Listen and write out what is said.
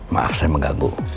maaf saya mengganggu